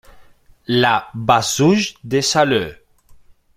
La Bazouge-des-Alleux